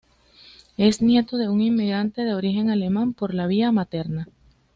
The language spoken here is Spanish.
Es nieto de un inmigrante de origen alemán por la vía materna.